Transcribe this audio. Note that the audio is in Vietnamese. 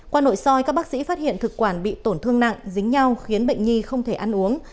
qua nội soi các bác sĩ phát hiện thực quản bị tổn thương nặng dính nhau khiến bệnh nhi không thể ăn uống